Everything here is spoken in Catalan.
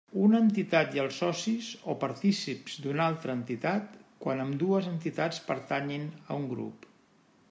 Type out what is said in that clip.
Una entitat i els socis o partícips d'una altra entitat, quan ambdues entitats pertanyin a un grup.